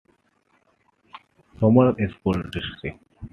Somers School District.